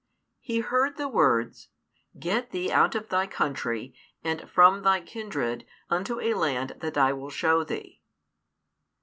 He heard the words, Get thee out of thy country, and from thy kindred, unto a land that I will show thee.